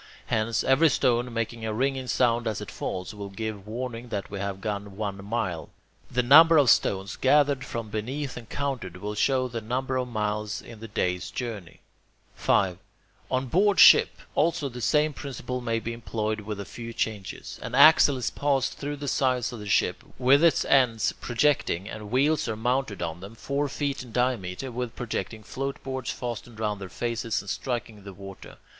Hence, every stone, making a ringing sound as it falls, will give warning that we have gone one mile. The number of stones gathered from beneath and counted, will show the number of miles in the day's journey. 5. On board ship, also, the same principles may be employed with a few changes. An axle is passed through the sides of the ship, with its ends projecting, and wheels are mounted on them, four feet in diameter, with projecting floatboards fastened round their faces and striking the water.